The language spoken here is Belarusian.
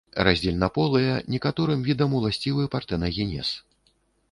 Раздзельнаполыя, некаторым відам уласцівы партэнагенез.